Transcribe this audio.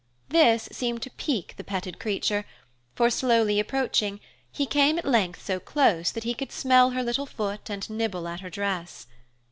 This seemed to pique the petted creature, for, slowly approaching, he came at length so close that he could smell her little foot and nibble at her dress.